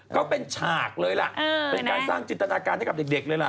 ก็เป็นฉากเลยล่ะเป็นการสร้างจินตนาการให้กับเด็กเลยล่ะ